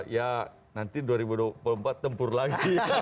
ya nanti dua ribu dua puluh empat tempur lagi